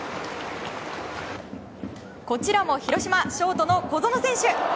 こちらも広島ショートの小園選手。